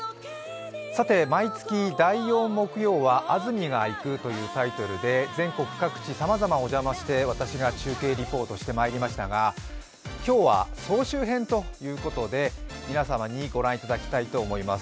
さて、毎月第４木曜は「安住がいく！」というタイトルで全国各地さまざまお邪魔して私が中継リポートしてまいりましたが、今日は総集編ということで、皆様にご覧いただきたいと思います。